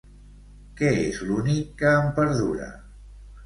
Què és l'únic que en perdura?